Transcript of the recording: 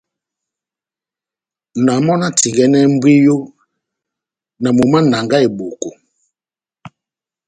Na mɔ́ na tingɛnɛhɛ mbwiyo na momó wa Nanga-Eboko.